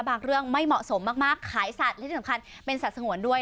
เรื่องไม่เหมาะสมมากขายสัตว์และที่สำคัญเป็นสัตว์สงวนด้วย